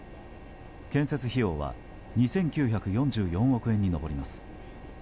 建設費用は２９４４億円に上ります。